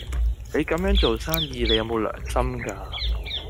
你咁樣做生意，你有冇良心㗎？